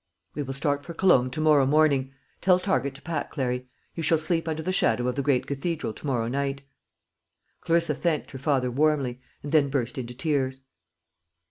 "We will start for Cologne to morrow morning. Tell Target to pack, Clary. You shall sleep under the shadow of the great cathedral to morrow night." Clarissa thanked her father warmly, and then burst into tears.